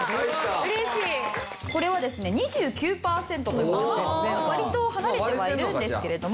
これはですね２９パーセントという割と離れてはいるんですけれども。